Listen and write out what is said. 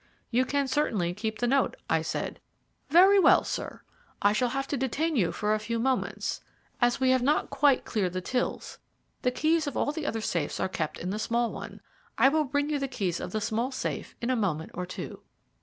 "You can certainly keep the note," I said. "Very well, sir: I shall have to detain you for a few moments, as we have not quite cleared the tills. The keys of all the other safes are kept in the small one. I will bring you the keys of the small safe in a moment or two."